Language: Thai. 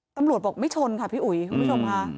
ตำรวจบอกไม่ชนค่ะพี่อุ๋ยคุณผู้ชมค่ะ